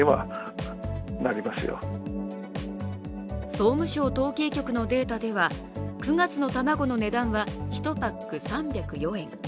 総務省統計局のデータでは９月の卵の値段は１パック３０４円。